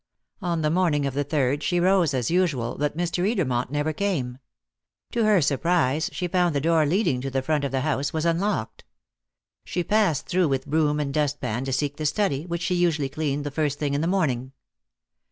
On the morning of the third she rose as usual, but Mr. Edermont never came. To her surprise she found the door leading to the front of the house was unlocked. She passed through with broom and dust pan to seek the study, which she usually cleaned the first thing in the morning.